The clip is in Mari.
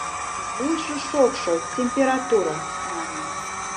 — Вуйжо шокшо, температура, — мане.